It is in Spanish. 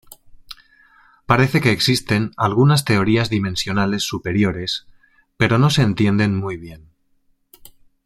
Parece que existen algunas teorías dimensionales superiores, pero no se entienden muy bien.